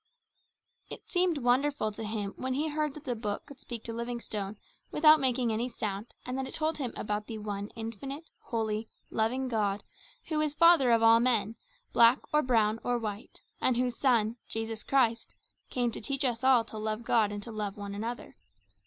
It seemed wonderful to him when he heard that that book could speak to Livingstone without making any sound and that it told him about the One Infinite, Holy, Loving God, Who is Father of all men, black or brown or white, and Whose Son, Jesus Christ, came to teach us all to love God and to love one another.